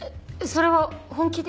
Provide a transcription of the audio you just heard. それは本気で？